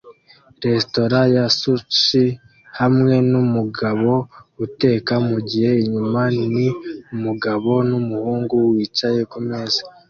Restaurant ya sushi hamwe numugabo uteka mugihe inyuma ni umugabo numuhungu wicaye kumeza